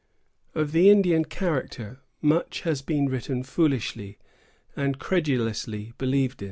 Of the Indian character, much has been written foolishly, and credulously believed.